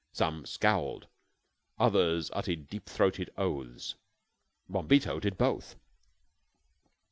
Some scowled, others uttered deep throated oaths. Bombito did both.